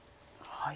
はい。